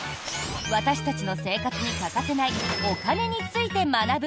私たちの生活に欠かせないお金について学ぶ